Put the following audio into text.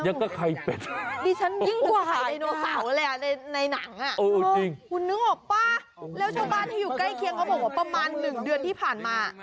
ยังก็ไข่เป็ดอ่ะในหนังอ่ะคุณนึกออกป่ะแล้วชาวบ้านที่อยู่ใกล้เคียงเขาบอกว่าประมาณหนึ่งเดือนที่ผ่านมา